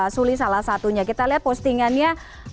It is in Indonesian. suli salah satunya kita lihat postingannya